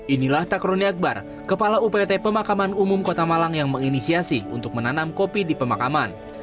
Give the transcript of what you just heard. inilah takroni akbar kepala upt pemakaman umum kota malang yang menginisiasi untuk menanam kopi di pemakaman